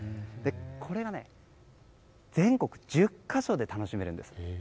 これが全国１０か所で楽しめるんです。